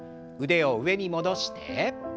腕を上に戻して。